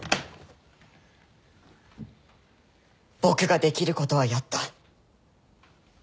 僕ができることはやった。